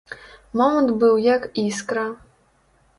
Момант быў як іскра.